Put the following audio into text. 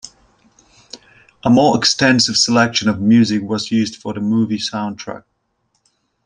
A more extensive selection of music was used for the movie soundtrack.